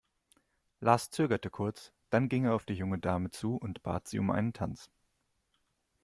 Lars zögerte kurz, dann ging er auf die junge Dame zu und bat sie um einen Tanz.